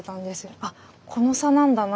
「あっこの差なんだな」と思って。